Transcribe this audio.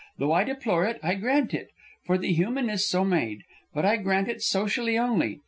Though I deplore it, I grant it; for the human is so made. But I grant it socially only.